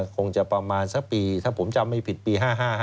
คงจะประมาณสักปีถ้าผมจำไม่ผิดปี๕๕